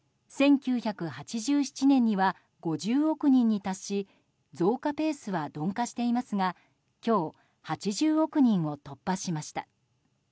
１９８７年には５０億人に達し増加ペースは鈍化していますが今日、８０億人を突破しました。